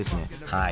はい。